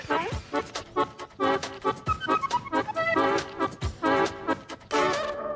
บรรทึก